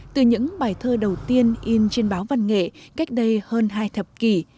từ những bài thơ đầu tiên in trên báo văn nghệ cách đây hơn hai thập kỷ